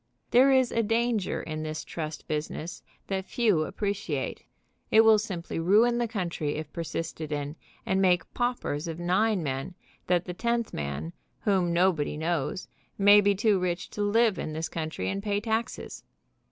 There is a danger in this trust business that few appreciate. It will simply ruin the country if persisted in, ^^^ and make paupers of \J .i^^^r nine men that the * ttC2*n I // If tenth man, whom no body knows, may be too rich to live in this country and pay taxes.